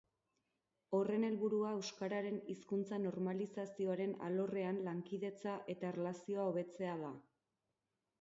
Horren helburua euskararen hizkuntza-normalizazioaren alorrean lankidetza eta erlazioa hobetzea da.